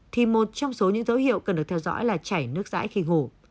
thì một trong số những dấu hiệu cần được theo dõi là chảy nước rãi khi ngủ